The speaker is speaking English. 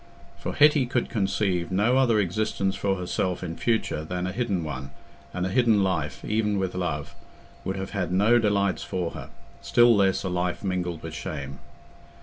For Hetty could conceive no other existence for herself in future than a hidden one, and a hidden life, even with love, would have had no delights for her; still less a life mingled with shame.